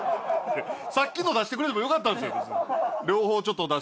さっきの出してくれてもよかったんですよ